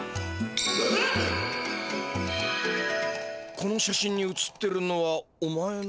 この写真に写ってるのはおまえの。